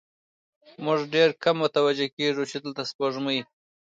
موږ ډېر کم متوجه کېږو، چې دلته سپوږمۍ